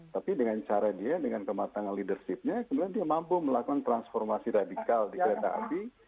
tapi dengan cara dia dengan kematangan leadershipnya kemudian dia mampu melakukan transformasi radikal di kereta api